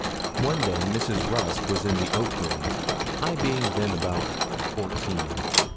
One day Mrs. Rusk was in the oak room, I being then about fourteen.